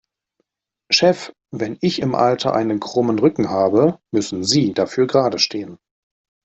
Chef, wenn ich im Alter einen krummen Rücken habe, müssen Sie dafür geradestehen.